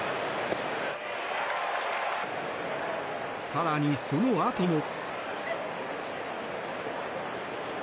更にそのあとも。